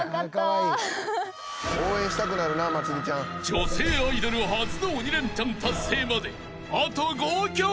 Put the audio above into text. ［女性アイドル初の鬼レンチャン達成まであと５曲］